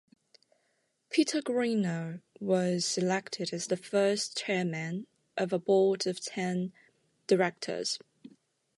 Peter Greenall was elected as the first chairman of a board of ten directors.